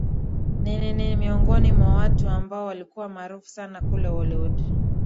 aa ni ni ni miongoni mwa watu ambao walikuwa maarufu sana kule holywood na